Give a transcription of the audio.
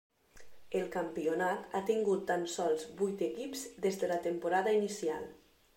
El campionat ha tingut tan sols vuit equips des de la temporada inicial.